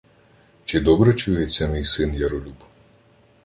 — Чи добре чується мій син Яролюб?